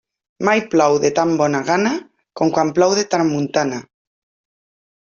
Mai plou de tan bona gana com quan plou de tramuntana.